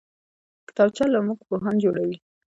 کتابچه له موږ پوهان جوړوي